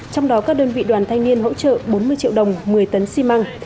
trong đó các đơn vị đoàn thanh niên hỗ trợ bốn mươi triệu đồng một mươi tấn xi măng